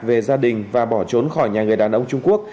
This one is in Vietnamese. về gia đình và bỏ trốn khỏi nhà người đàn ông trung quốc